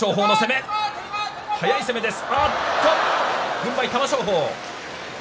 軍配は玉正鳳。